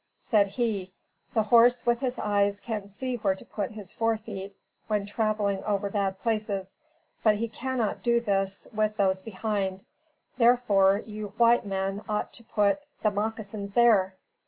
Said he, "The horse, with his eyes, can see where to put his fore feet when traveling over bad places, but he cannot do this with those behind; therefore, you white men ought to put the moccasins there."